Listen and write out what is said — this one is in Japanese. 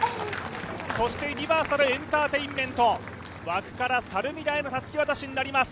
ユニバーサルエンターテインメント、和久から猿見田へのたすき渡しになります。